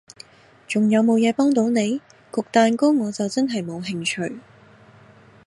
仲有無嘢幫到你？焗蛋糕我就真係冇興趣